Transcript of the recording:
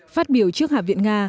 phát biểu trước hạ viện nga